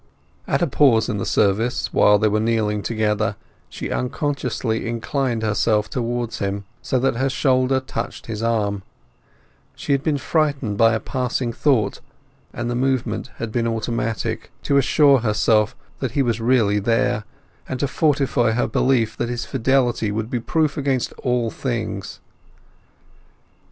At a pause in the service, while they were kneeling together, she unconsciously inclined herself towards him, so that her shoulder touched his arm; she had been frightened by a passing thought, and the movement had been automatic, to assure herself that he was really there, and to fortify her belief that his fidelity would be proof against all things.